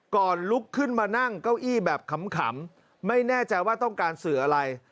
ลุกขึ้นมานั่งเก้าอี้แบบขำไม่แน่ใจว่าต้องการสื่ออะไร